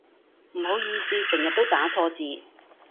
唔好意思成日都打錯字